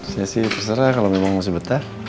saya sih terserah kalau memang masih betah